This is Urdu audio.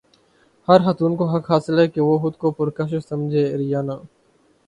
ہر خاتون کو حق حاصل ہے کہ وہ خود کو پرکشش سمجھے ریانا